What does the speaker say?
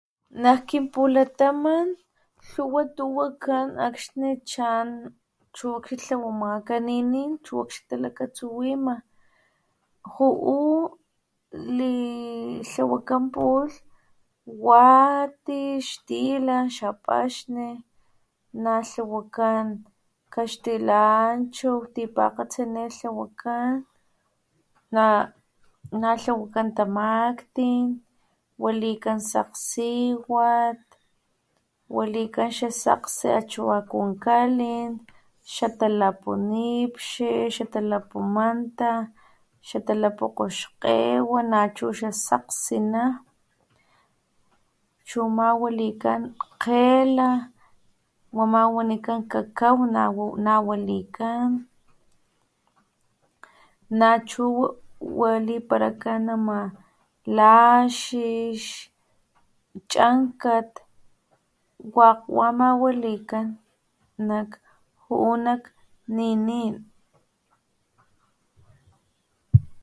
Nak kinpulataman lhuwa tu wakan akxni chan chu talakatsuwima ju'u tlawakan pulh wati xtila xapaxni natlawakan kaxtilanchu tipakgatsi netlawakan natlawakan tamaktin walikan sakgsiwat walikan sa sakgsi achu akunkalin xatalapu nipxi xatalapu manta xatalau kgoxkgewa na xasakgsina nachu xasakgsina chu ama walikan kgela wa ama wanikan kakaw nachu waliparakan ama kaxix chankat wakg wa ama walikan juu nak ninin